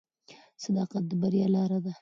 صداقت د بریا لاره ده.